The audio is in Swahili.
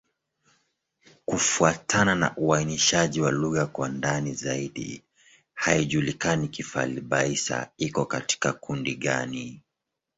Kufuatana na uainishaji wa lugha kwa ndani zaidi, haijulikani Kifali-Baissa iko katika kundi gani.